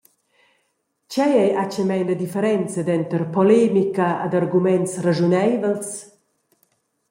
Tgei ei atgnamein la differenza denter polemica ed arguments raschuneivels?